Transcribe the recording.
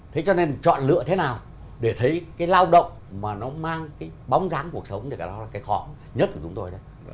thế cho nên chọn lựa thế nào để thấy cái lao động mà nó mang cái bóng ráng cuộc sống này là cái khó nhất của chúng tôi đấy